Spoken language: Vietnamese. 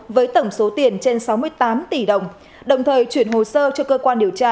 với tổng số tiền trên sáu mươi tám tỷ đồng đồng thời chuyển hồ sơ cho cơ quan điều tra